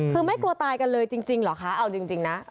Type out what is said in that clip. คือไม่กลัวตายกันเลยจริงเหรอคะเอาจริงนะ